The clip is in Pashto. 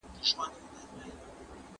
ولي کندهار کي د صنعت لپاره صادرات زیاتېږي؟